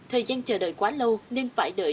thời gian chờ đợi quá lâu nên phải đợi